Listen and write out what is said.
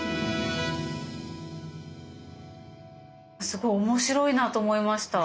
すごい面白いなと思いました。